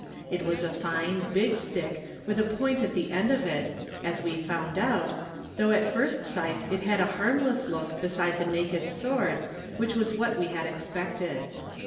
It was a jfine, big stick with a point at the end of it, as we found out, though at first sight it had a harmless look beside the naked sword which was what we had expected.